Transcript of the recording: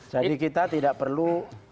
jadi kita tidak perlu